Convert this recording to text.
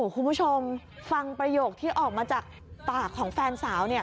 คุณผู้ชมฟังประโยคที่ออกมาจากปากของแฟนสาว